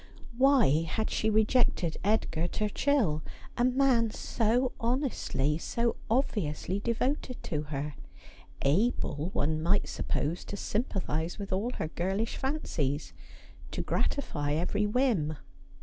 Why had she rejected Edgar Turchill, a man so honestly, so obviously devoted to her ?— able, one might suppose, to sym pathise with all her girlish fancies, to gratify every whim.